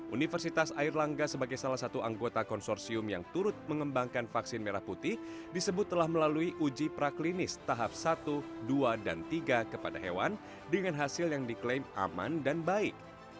universitas air langga sebagai salah satu anggota konsorsium yang turut mengembangkan vaksin merah putih disebut telah melalui uji praklinis tahap satu dua dan tiga kepada hewan dengan hasil yang diklaim aman dan baik